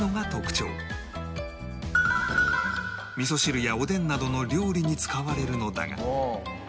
みそ汁やおでんなどの料理に使われるのだが